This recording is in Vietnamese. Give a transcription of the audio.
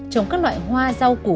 trong các loại hoa rau củ quả